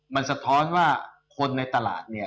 มันสะท้อนว่าคนในตลาดเนี่ย